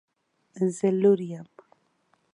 زه لوړ یم